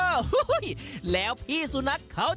วิธีแบบไหนไปดูกันเล็ก